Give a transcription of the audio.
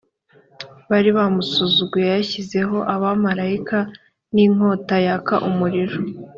bari bamusuzuguye yashyizeho abamarayika n inkota yaka umuriro